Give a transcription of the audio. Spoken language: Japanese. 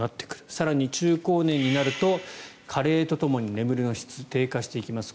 更に、中高年になると加齢とともに眠りの質が低下していきます。